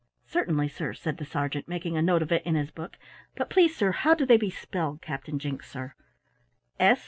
"Certainly, sir," said the sergeant, making a note of it in his book, "but please, sir, how do they be spelled, Captain Jinks, sir?"